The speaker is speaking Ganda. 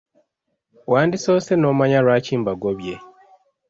Wandisoose n'omanya lwaki mbagobye.